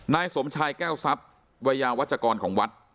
นายสมชายแก้วทรัพย์วัยยาวัชกรของวัด